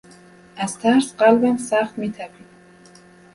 از ترس قلبم سخت میتپید.